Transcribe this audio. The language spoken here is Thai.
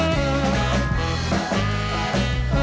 รับทราบ